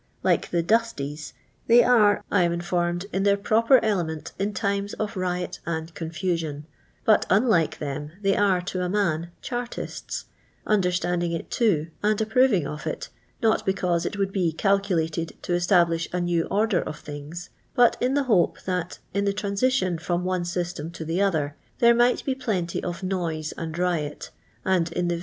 Like the " du.sties" they aie. ■ I am infurroid, in their prop<T ek nient in times ■ iii riit and confusion ; but, unlike them, they are, ti a uia.i, ( hartists, understanding it too, and ; .ijiprovingof it, not hwauiie it would be ciilculated ; t'» oMtal/hsIi a new order of things, but in the : lio^r* that, iti the transiliun from one ^ystirm to , t'ri iither, then' mJKht be plenty of nuiseund rioi, \ anii ill the va